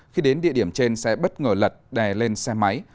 khi đến địa điểm trên xe bất ngờ lật đè lên xe máy